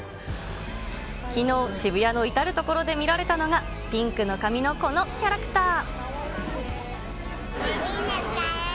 きのう、渋谷の至る所で見られたのが、ピンクの髪のこのキャラクター。